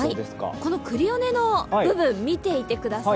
このクリオネの部分見ていてください。